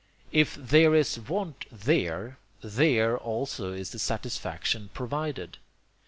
If there is want there, there also is the satisfaction provided.